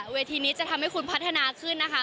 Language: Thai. เวทีนี้จะทำให้คุณพัฒนาขึ้นนะคะ